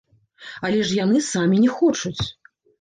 Але ж яны самі не хочуць.